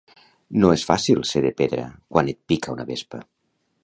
No és fàcil ser de pedra quan et pica una vespa.